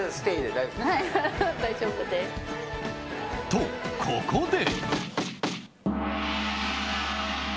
と、ここで。